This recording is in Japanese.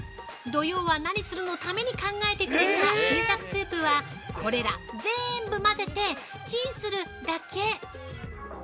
土曜はナニするのために考えてくれた新作スープは、これらぜーんぶ混ぜてチンするだけ！